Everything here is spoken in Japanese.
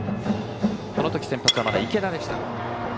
この時先発はまだ池田でした。